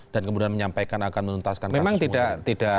dan kemudian menyampaikan akan menuntaskan kasus munir